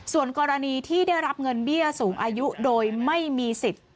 ส่วนกรณีที่ได้รับเงินเบี้ยสูงอายุโดยไม่มีสิทธิ์